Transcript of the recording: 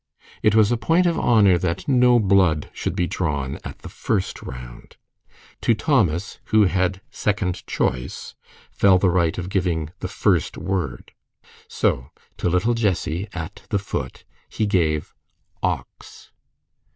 It was a point of honor that no blood should be drawn at the first round. To Thomas, who had second choice, fell the right of giving the first word. So to little Jessie, at the foot, he gave "Ox."